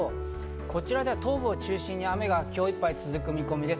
こちらでは東部を中心に雨が今日いっぱい続く見込みです。